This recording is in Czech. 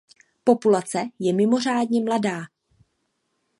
Populace je mimořádně mladá.